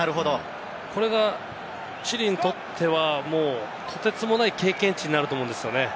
これがチリにとってはとてつもない経験値になると思うんですよね。